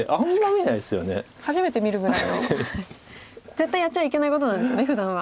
絶対やっちゃいけないことなんですよねふだんは。